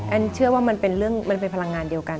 เชื่อว่ามันเป็นเรื่องมันเป็นพลังงานเดียวกัน